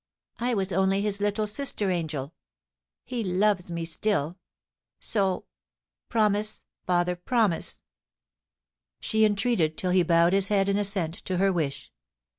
I was only his little sister AngeL He loves me still — so. Promise, father, promise ' She entreated till he bowed his head in assent to her wish.